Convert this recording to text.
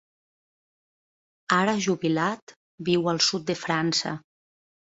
Ara jubilat, viu al sud de França.